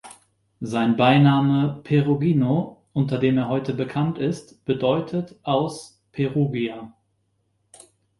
Sein Beiname "Perugino", unter dem er heute bekannt ist, bedeutet „aus Perugia“.